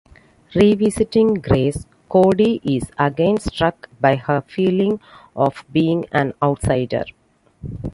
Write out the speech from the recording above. Re-visiting Grace, Codi is again struck by her feeling of being an outsider.